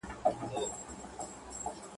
خو ستا پر شونډو به ساتلی یمه ..